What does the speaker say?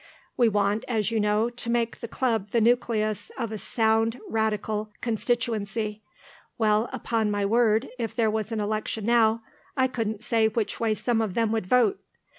We want, as you know, to make the Club the nucleus of a sound Radical constituency. Well, upon my word, if there was an election now, I couldn't say which way some of them would vote.